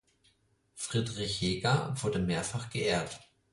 Friedrich Hegar wurde mehrfach geehrt.